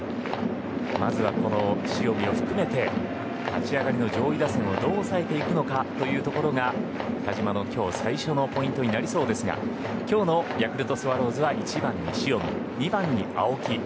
まずは塩見を含めて立ち上がりの上位打線をどう抑えていくのかというところが田嶋の今日最初のポイントになりそうですが今日のヤクルトスワローズは１番に塩見２番に青木。